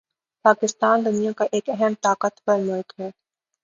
پاکستان دنیا کا ایک اہم طاقتور ملک ہے